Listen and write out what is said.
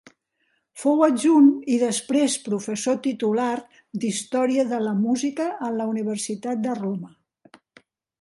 Fou adjunt i després professor titular d'història de la música en la Universitat de Roma.